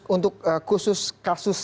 untuk khusus kasus